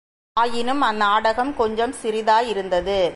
ஆயினும் அந்நாடகம் கொஞ்சம் சிறிதாயிருந்தது.